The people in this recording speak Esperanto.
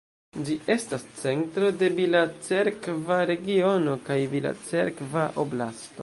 Ĝi estas centro de Bila-Cerkva regiono kaj Bila-Cerkva oblasto.